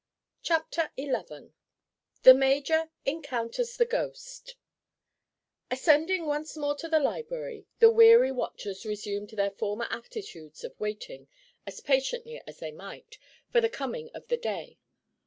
CHAPTER XI—THE MAJOR ENCOUNTERS THE GHOST Ascending once more to the library the weary watchers resumed their former attitudes of waiting, as patiently as they might, for the coming of the day.